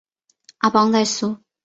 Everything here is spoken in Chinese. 阿邦代苏。